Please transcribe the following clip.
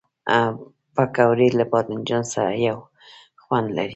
پکورې له بادنجان سره یو خوند لري